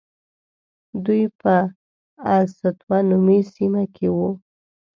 دوی په السطوة نومې سیمه کې وو.